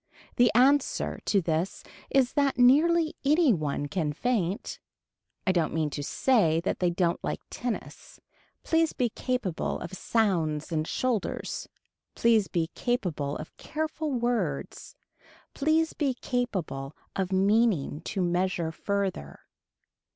The answer to this is that nearly any one can faint. I don't mean to say that they don't like tennis. Please be capable of sounds and shoulders. Please be capable of careful words. Please be capable of meaning to measure further.